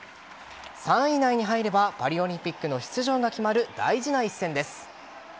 ３位以内に入ればパリオリンピックの出場が決まる大事な一戦です。